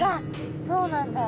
そうなんだ。